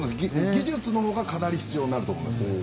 技術のほうがかなり必要になると思います。